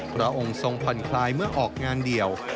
พระองค์ทรงผ่อนคลายเมื่อออกงานเดี่ยว